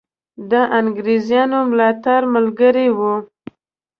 د انګرېزانو ملاتړ ملګری وو.